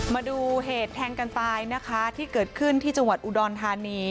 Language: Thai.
มาดูเหตุแทงกันตายนะคะที่เกิดขึ้นที่จังหวัดอุดรธานี